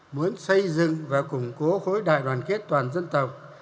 muốn xây dựng và củng cố khối đại đoàn kết toàn dân tộc